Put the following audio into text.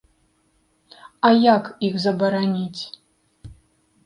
А як іх забараніць?